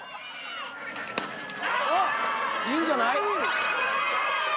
いいんじゃない？